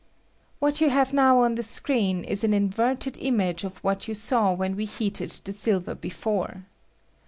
] What you have now on the screen is an inverted image of what you saw when we heated the silver before.